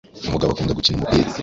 Umugabo akunda gukina umupira.